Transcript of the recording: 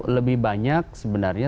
lebih banyak sebenarnya